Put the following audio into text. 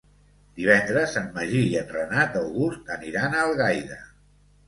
Divendres en Magí i en Renat August aniran a Algaida.